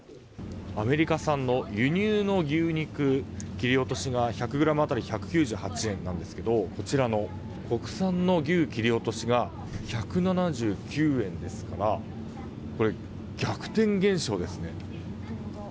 アメリカ産の輸入牛肉切り落としが１００ｇ当たり１９８円なんですがこちらの国産の牛切り落としが１７９円ですから逆転現象ですね。